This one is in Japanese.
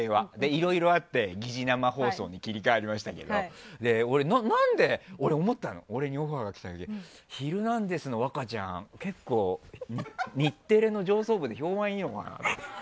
いろいろあって擬似生放送に切り替わりましたけど俺、思ったの俺にオファーが来た時「ヒルナンデス！」のワカちゃん結構日テレの上層部で評判いいのかな。